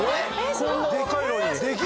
こんな若いのに。